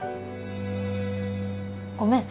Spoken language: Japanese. ごめん。